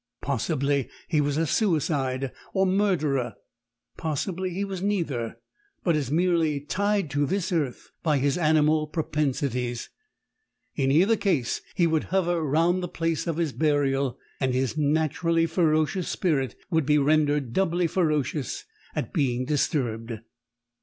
"Possibly he was a suicide or murderer; possibly he was neither, but is merely tied to this earth by his animal propensities in either case, he would hover round the place of his burial, and his naturally ferocious spirit would be rendered doubly ferocious at being disturbed.